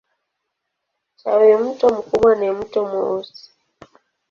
Tawimto kubwa ni Mto Mweusi.